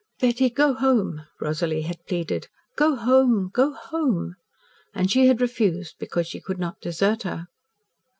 "Betty, go home," Rosalie had pleaded. "Go home go home." And she had refused, because she could not desert her.